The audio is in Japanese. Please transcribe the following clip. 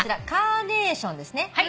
カーネーションですね。